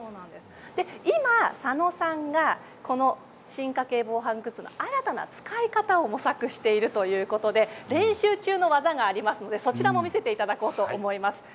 今、佐野さんが進化系防犯グッズの新たな使い方を模索しているということで練習中の技を見せていただきます。